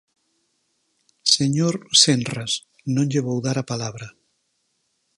Señor Senras, non lle vou dar a palabra.